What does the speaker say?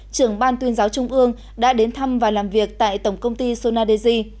trưởng ban tuyên giáo trung ương đã đến thăm và làm việc tại tổng công ty sonadeji